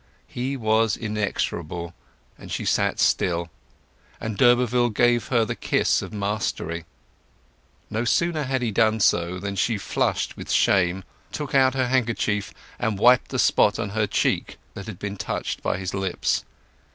He was inexorable, and she sat still, and d'Urberville gave her the kiss of mastery. No sooner had he done so than she flushed with shame, took out her handkerchief, and wiped the spot on her cheek that had been touched by his lips.